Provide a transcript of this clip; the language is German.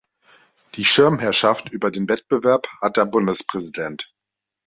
Die Schirmherrschaft über den Wettbewerb hat der Bundespräsident.